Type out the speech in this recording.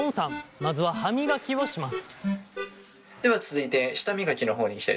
まずは歯磨きをします。